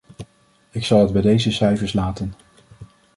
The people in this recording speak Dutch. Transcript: Ik zal het bij deze cijfers laten.